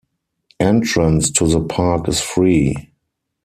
Entrance to the park is free.